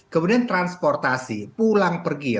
kemudian transportasi pulang pergi ya